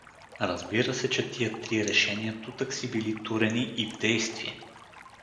Разбира се, че тия три решения тутакси били турени и в действие.